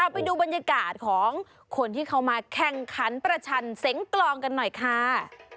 ไปดูบรรยากาศของคนที่เขามาแข่งขันประชันเสียงกลองกันหน่อยค่ะ